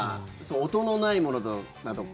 音のないものだとか。